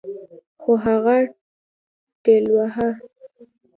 خو هغه ټېلوهه.